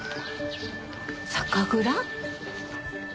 酒蔵？